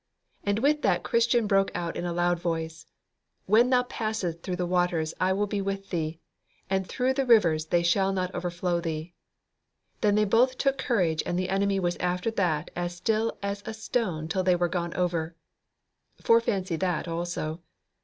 And with that Christian broke out with a loud voice, "When thou passest through the waters I will be with thee, and through the rivers they shall not overflow thee." Then they both took courage and the enemy was after that as still as a stone till they were gone over. Fore fancy that also.